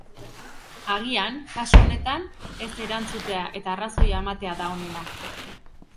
Agian, kasu honetan, ez erantzutea eta arrazoia ematea da onena.